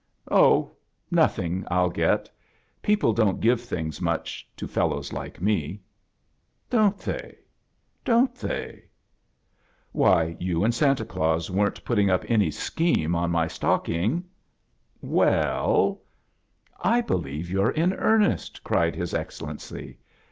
"Oh— nothing VU get People don't give things much to fellows like me." Don*t they? Don't theyr "Why, you and Santa Qaus weren't putting up any scheme on my stock ingr "Vefl— " "I believe you're in eamesti" cried his /•VExcelleocy.